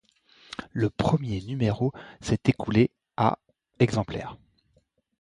Le premier numéro s'est écoulé à exemplaires.